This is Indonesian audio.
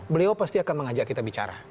beliau pasti akan mengajak kita bicara